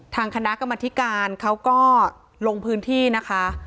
ทางคณะกรรมธิการเขาก็ลงพื้นที่นะคะ